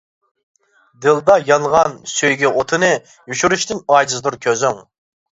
دىلدا يانغان سۆيگۈ ئوتىنى، يوشۇرۇشتىن ئاجىزدۇر كۆزۈڭ.